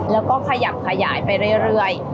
แล้วก็ขยับขยายไปเรื่อย